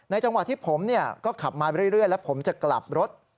จังหวะที่ผมก็ขับมาเรื่อยแล้วผมจะกลับรถ